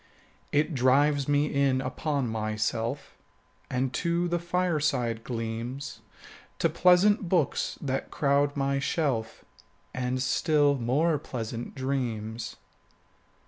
It drives me in upon myself 5 And to the fireside gleams, To pleasant books that crowd my shelf, And still more pleasant dreams.